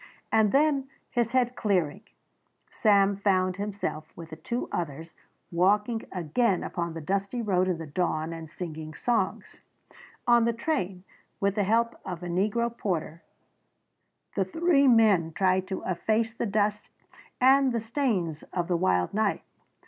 And then, his head clearing, Sam found himself with the two others walking again upon the dusty road in the dawn and singing songs. On the train, with the help of a Negro porter, the three men tried to efface the dust and the stains of the wild night.